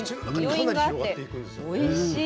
余韻があっておいしい。